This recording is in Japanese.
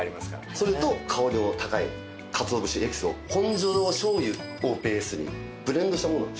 それと香りの高いかつお節エキスを本醸造醤油をベースにブレンドしたものを。